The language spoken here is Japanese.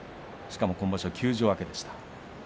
しかも今場所は休場明けでした。